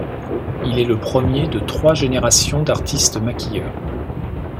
Il est le premier de trois générations d'artistes maquilleurs.